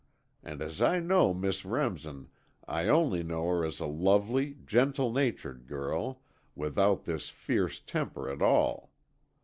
And as I know Miss Remsen, I only know her as a lovely, gentle natured girl, without this fierce temper at all.